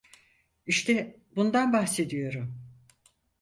İşte bundan bahsediyorum!